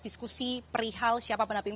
diskusi perihal siapa pendatangnya